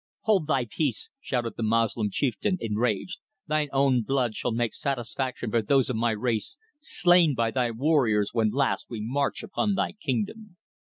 "Hold thy peace," shouted the Moslem chieftain, enraged. "Thine own blood shall make satisfaction for those of my race slain by thy warriors when last we marched upon thy kingdom."